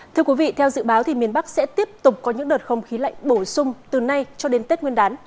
thưa quý vị theo dự báo thì miền bắc sẽ tiếp tục có những đợt không khí lạnh bổ sung từ nay cho đến tết nguyên đán